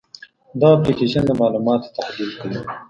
دا اپلیکیشن د معلوماتو تحلیل کوي.